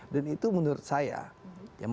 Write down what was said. dan itu menurut saya